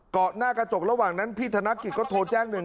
เกาะหน้ากระจกระหว่างนั้นพี่ธนกิจก็โทรแจ้งหนึ่ง